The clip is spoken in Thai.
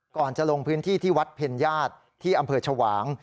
ก่อนจะลงพื้นที่ที่วัดเพ็ญญาติที่อำเภอชวาง